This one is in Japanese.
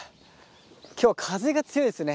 今日は風が強いですね。